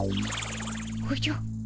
おじゃ。